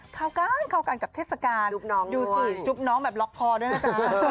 เข้ากันเข้ากันกับเทศกาลดูสิจุ๊บน้องแบบล็อกคอด้วยนะจ๊ะ